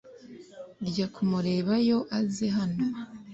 rya kumureba yo aze hano